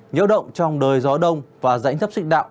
nhiễu động trong đời gió đông và dãnh thấp sức đạo